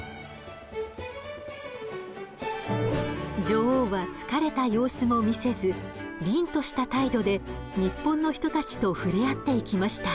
女王は疲れた様子も見せず凜とした態度で日本の人たちと触れ合っていきました。